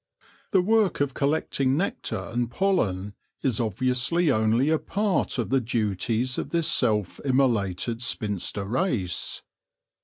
The work of collecting nectar and pollen is obviously only a part of the duties of this self immolated spinster race.